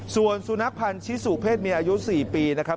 ส่วนสุนัขพันธ์ชิสุเพศเมียอายุ๔ปีนะครับ